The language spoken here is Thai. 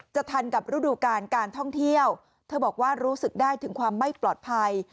ทันกับฤดูการการท่องเที่ยวเธอบอกว่ารู้สึกได้ถึงความไม่ปลอดภัย